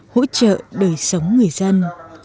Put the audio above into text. hỗ trợ đời sống người dân